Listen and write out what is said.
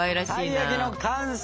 「たい焼きの完成！」。